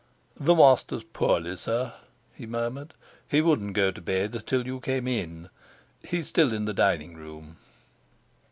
"The master's poorly, sir," he murmured. "He wouldn't go to bed till you came in. He's still in the diningroom."